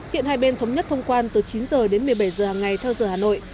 hiện hai bên thống nhất thông quan từ chín h đến một mươi bảy giờ hàng ngày theo giờ hà nội